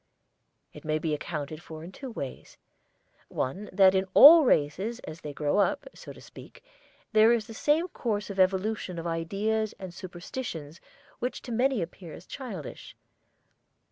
It may be accounted for in two ways. One that in all races as they grow up, so to speak, there is the same course of evolution of ideas and superstition which to many appears childish.